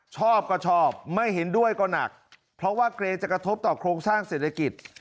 ชอบก็ชอบไม่เห็นด้วยก็หนักเพราะว่าเกรงจะกระทบต่อโครงสร้างเศรษฐกิจ